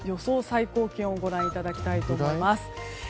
最高気温をご覧いただきたいと思います。